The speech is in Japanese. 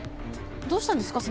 どうしたんですか？